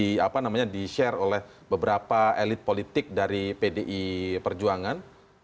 di apa namanya di share oleh beberapa elit politik dari pdi perjuangan